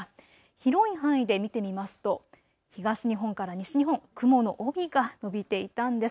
広い範囲で見てみますと、東日本から西日本、雲の帯が延びていたんです。